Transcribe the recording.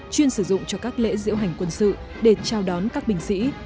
chuyên sử dụng cho các lễ diễu hành quân sự để trao đón các binh sĩ